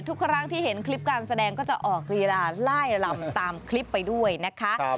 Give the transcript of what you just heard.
ทุกครั้งที่เห็นคลิปการแสดงก็จะออกลีลาไล่ลำตามคลิปไปด้วยนะคะ